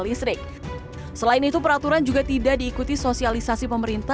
namun sayangnya peraturan tersebut tidak mengatur sanksi bagi